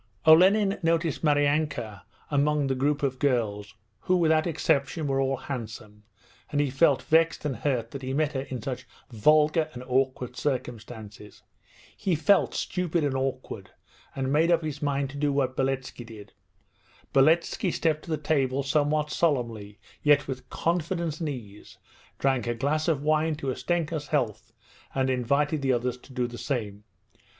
Olenin noticed Maryanka among the group of girls, who without exception were all handsome, and he felt vexed and hurt that he met her in such vulgar and awkward circumstances. He felt stupid and awkward, and made up his mind to do what Beletski did. Beletski stepped to the table somewhat solemnly yet with confidence and ease, drank a glass of wine to Ustenka's health, and invited the others to do the same.